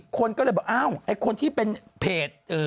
คนก็เลยบอกอ้าวไอ้คนที่เป็นเพจ